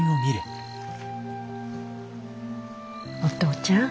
お父ちゃん。